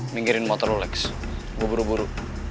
minggirin motor rolex gua buru buru